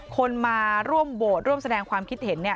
คนมาร่วมโบสถ์ร่วมแสดงความคิดเห็น